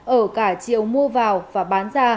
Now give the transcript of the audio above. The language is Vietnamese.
ở cả triệu mua vào và bán ra